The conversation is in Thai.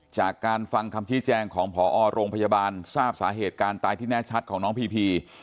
จากการฟังคำชี้แจงของพอโรงพยาบาลทราบสาเหตุการตายที่แน่ชัดของน้องพีพี